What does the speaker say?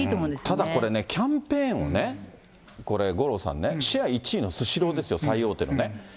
ただこれね、キャンペーンをね、これ、五郎さんね、シェア１位のスシローですよ、最大手のね。